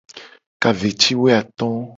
Ka ve ci wo ato.